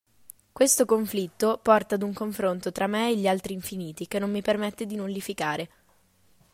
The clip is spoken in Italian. Questo conflitto porta ad un confronto tra me e gli altri infiniti che non mi permette di nullificare.